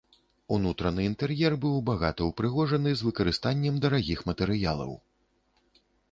Унутраны інтэр'ер быў багата ўпрыгожаны з выкарыстаннем дарагіх матэрыялаў.